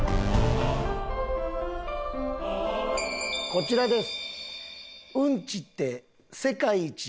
こちらです。